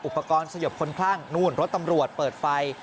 อุปกรณ์สยบคนคลั่งนู่นรถตำรวจเปิดไฟ